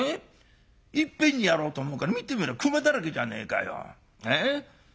いっぺんにやろうと思うから見てみろくまだらけじゃねえかよ。